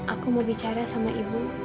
aku mau bicara sama ibu